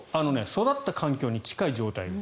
育った環境に近い状態。